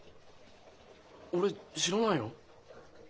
俺知らないよ。